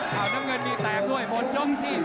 น้ำเงินมีแตกด้วยหมดยกที่๓